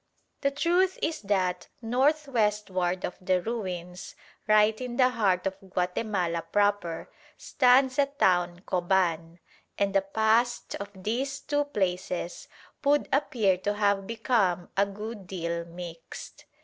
The truth is that north westward of the ruins, right in the heart of Guatemala proper, stands a town "Coban," and the past of these two places would appear to have become a good deal mixed.